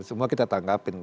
semua kita tanggapin